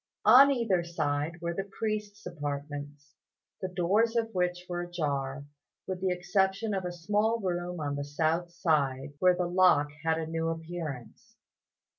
On either side were the priest's apartments, the doors of which were ajar, with the exception of a small room on the south side, where the lock had a new appearance.